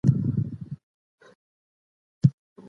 ماشوم په ښو کارونو تشویق کړئ.